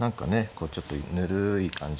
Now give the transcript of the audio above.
こうちょっとぬるい感じ。